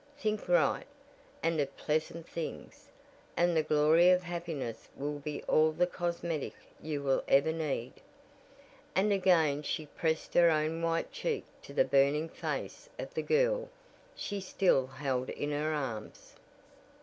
Think right, and of pleasant things, and the glory of happiness will be all the cosmetic you will ever need," and again she pressed her own white cheek to the burning face of the girl she still held in her arms.